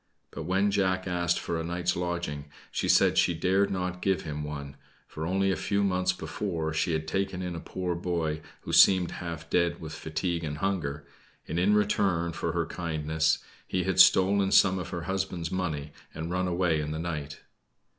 But when Jack asked for a night's lodging, she said she dared not give him one, for only a few months before she had taken in a poor boy who seemed half dead with fatigue and hunger, and in return for her kindness, he had stolen some of her husband's money and run away in the night.